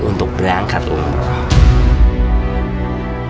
untuk berangkat umroh